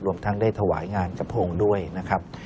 รวมทั้งได้ถวายงานกระพงษ์ด้วยนะครับ